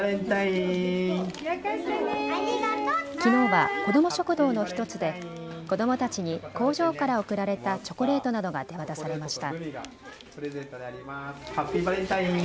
きのうは子ども食堂の１つで子どもたちに工場から贈られたチョコレートなどが手渡されました。